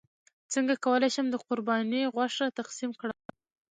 څنګه کولی شم د قرباني غوښه تقسیم کړم